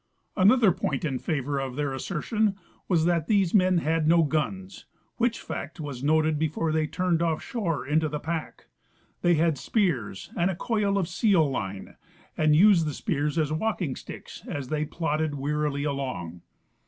Another point in favor of their assertion was that these men had no guns, which fact was noted l)efore they turned off' shore into the pack. They had spears and a coil of seal line, and used the spears as walking sticks as they plodded wearily along.